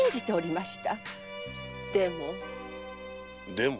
でも。